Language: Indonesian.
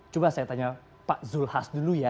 coba saya tanya pak zulhas dulu ya